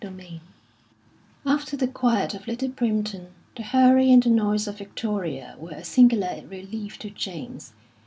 XVII After the quiet of Little Primpton, the hurry and the noise of Victoria were a singular relief to James.